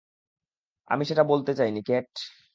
আমি সেটা বলতে চাইনি, ক্যাট।